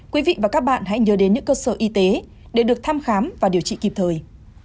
quý vị và các bạn hãy nhớ đến những cơ sở y tế để được thăm khám và điều trị kịp thời